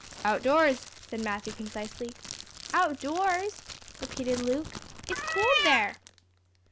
"Outdoors," said Matthew, concisely. "Outdoors?" repeated Luke. "It's cold there."